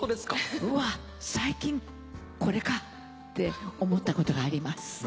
うわ最近これかって思ったことがあります。